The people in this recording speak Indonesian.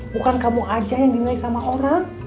bukan kamu aja yang dinilai sama orang